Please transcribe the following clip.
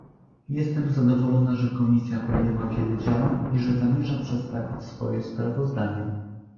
Jestem zadowolona, że Komisja podjęła wiele działań i że zamierza przedstawić swoje sprawozdanie